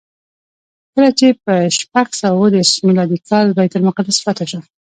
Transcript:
کله چې په شپږ سوه اوه دېرش میلادي کال بیت المقدس فتحه شو.